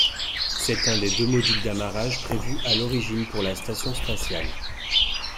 C'est un des deux modules d'amarrage prévus à l'origine pour la station spatiale.